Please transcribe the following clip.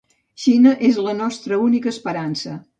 Xina és la nostra única esperança.